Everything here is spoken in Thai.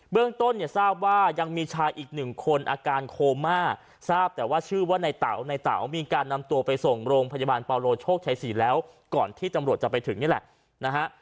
เรื่องต้นเนี่ยทราบว่ายังมีชายอีกหนึ่งคนอาการโคม่าทราบแต่ว่าชื่อว่าในเต๋าในเต๋ามีการนำตัวไปส่งโรงพยาบาลปาโลโชคชัย๔แล้วก่อนที่ตำรวจจะไปถึงนี่แหละนะฮะ